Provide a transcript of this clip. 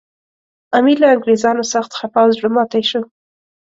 امیر له انګریزانو سخت خپه او زړه ماتي شو.